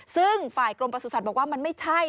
ซึ่งฝ่ายกรมประสุทธิ์บอกว่ามันไม่ใช่